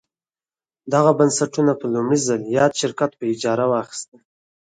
دغه بنسټونه په لومړي ځل یاد شرکت په اجاره واخیستل.